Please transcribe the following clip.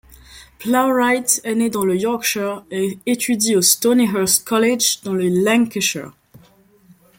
Plowright est né dans le Yorkshire et étudie au stonyhurst College, dans le Lancashire.